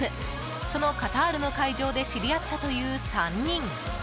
そのカタールの会場で知り合ったという３人。